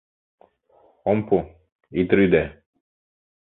Ом пу, ит рӱдӧ...